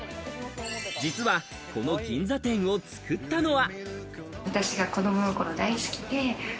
実はこの銀座店を作ったのは。